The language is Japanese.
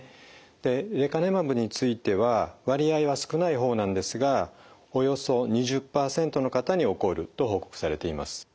でレカネマブについては割合は少ない方なんですがおよそ２０％の方に起こると報告されています。